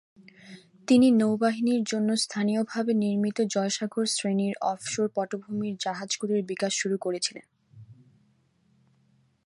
তিনি নৌবাহিনীর জন্য স্থানীয়ভাবে নির্মিত জয়সাগর-শ্রেণির অফশোর পটভূমির জাহাজগুলির বিকাশ শুরু করেছিলেন।